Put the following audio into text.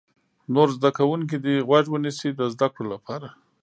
نور زده کوونکي دې غوږ ونیسي د زده کړې لپاره.